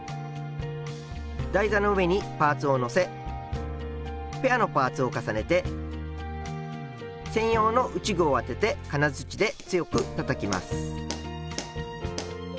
台座の上にパーツをのせペアのパーツを重ねて専用の打ち具を当てて金づちで強くたたきます。